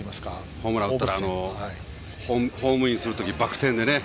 ホームラン打ったあとのホームインする時、バク転でね。